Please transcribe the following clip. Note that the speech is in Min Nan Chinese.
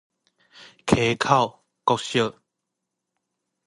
溪口國小